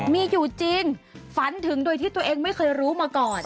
มีอยู่จริงฝันถึงโดยที่ตัวเองไม่เคยรู้มาก่อน